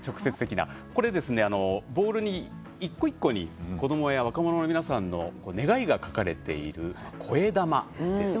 これ、ボールに一個一個に子どもや若者の皆さんの願いが書かれている、こえだまです。